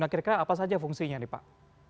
akhirnya apa saja fungsinya nih pak